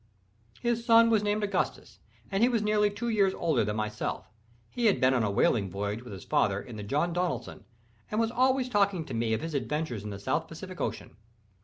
His son was named Augustus, and he was nearly two years older than myself. He had been on a whaling voyage with his father in the John Donaldson, and was always talking to me of his adventures in the South Pacific Ocean.